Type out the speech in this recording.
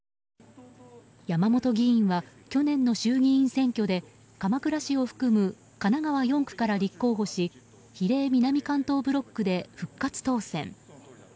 山本議員は去年の衆議院選挙で鎌倉市を含む神奈川４区から立候補し比例南関東ブロックで復活当選。